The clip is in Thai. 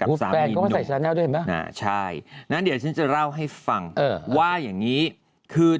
กับสามีหนุ่มใช่แล้วเดี๋ยวฉันจะเล่าให้ฟังว่าอย่างนี้คือ